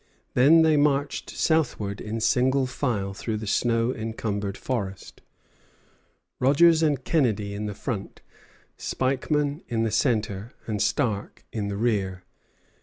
Then they marched southward in single file through the snow encumbered forest, Rogers and Kennedy in the front, Spikeman in the centre, and Stark in the rear.